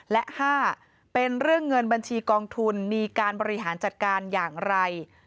และ๕เป็นเรื่องเงินบัญชีกองทุนมีการบริหารจัดการอย่างไร